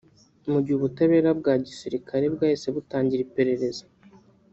mu gihe ubutabera bwa Gisirikare bwahise butangira iperereza